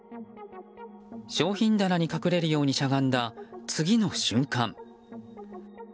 商品棚に隠れるようにしゃがんだ次の瞬間